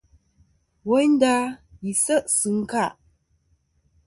Woynda, yi se' sɨ ɨnka.